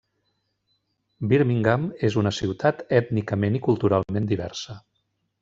Birmingham és una ciutat ètnicament i culturalment diversa.